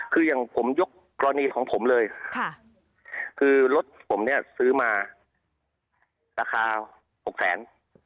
คืออย่างผมยกกรณีของผมเลยคือรถผมเนี่ยซื้อมาราคา๖แสน